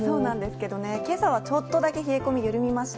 けさはちょっとだけ冷え込み緩みました。